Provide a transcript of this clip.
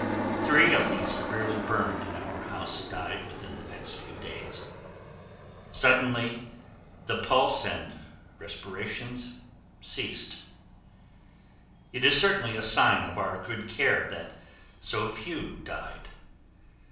Three of the severely burned in our house died within the next few days. Suddenly the pulse and respirations ceased. It is certainly a sign of our good care that so few died.